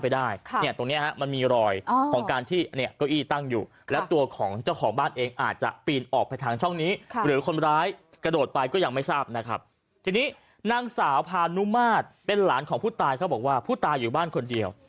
เป็นหลานของผู้ตายเขาบอกว่าผู้ตายอยู่บ้านคนเดียว